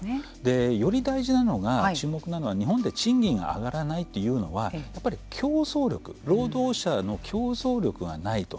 より大事なのは注目なのは日本で賃金が上がらないというのはやっぱり労働者の競争力がないと。